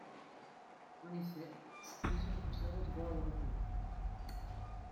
En effet, cette mesure est contraire au droit européen.